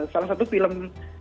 salah satu film